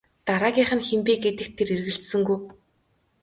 Дараагийнх нь хэн бэ гэдэгт тэр эргэлзсэнгүй.